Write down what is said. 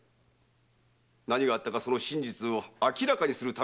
何があったかその真実を明らかにするためのものだ。